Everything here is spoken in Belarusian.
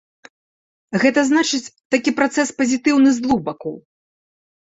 Гэта значыць, такі працэс пазітыўны з двух бакоў.